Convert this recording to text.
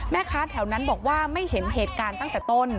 แม่ค้าแถวนั้นบอกว่าไม่เห็นเหตุการณ์ตั้งแต่ต้น